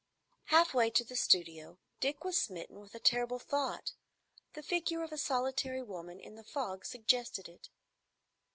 Half way to the studio, Dick was smitten with a terrible thought. The figure of a solitary woman in the fog suggested it.